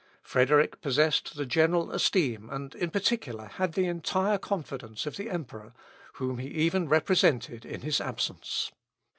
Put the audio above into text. Frederick possessed the general esteem, and, in particular, had the entire confidence of the emperor, whom he even represented in his absence.